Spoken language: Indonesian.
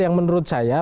yang menurut saya